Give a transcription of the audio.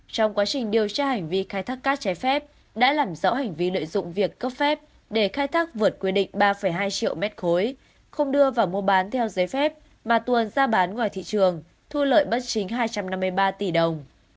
trong quá trình điều tra hành vi khai thác cát trái phép đã làm rõ hành vi lợi dụng việc cấp phép để khai thác vượt quy định ba hai triệu mét khối không đưa vào mua bán theo giấy phép mà tuần ra bán ngoài thị trường thu lợi bất chính hai trăm năm mươi ba tỷ đồng